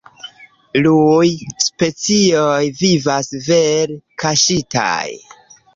Iuj specioj vivas vere kaŝitaj.